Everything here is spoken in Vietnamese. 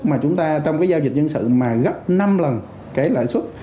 mà chúng ta trong giao dịch dân sự mà gấp năm lần lãi suất